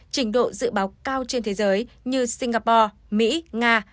trình độ dự báo cao trên thế giới như singapore mỹ nga